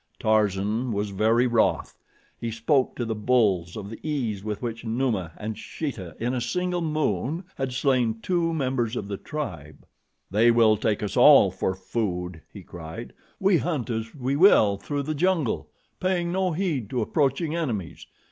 Tarzan was very wroth. He spoke to the bulls of the ease with which Numa and Sheeta, in a single moon, had slain two members of the tribe. "They will take us all for food," he cried. "We hunt as we will through the jungle, paying no heed to approaching enemies.